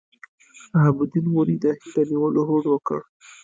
شهاب الدین غوري د هند د نیولو هوډ وکړ.